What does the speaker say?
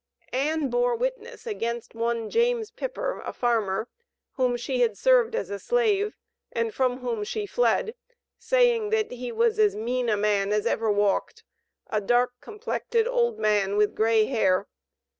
Ann bore witness against one James Pipper, a farmer, whom she had served as a slave, and from whom she fled, saying that "he was as mean a man as ever walked a dark complected old man, with gray hair."